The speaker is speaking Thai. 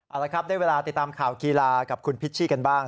เอาละครับได้เวลาติดตามข่าวกีฬากับคุณพิชชี่กันบ้าง